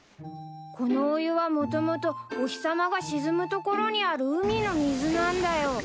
このお湯はもともとお日さまが沈む所にある海の水なんだよ。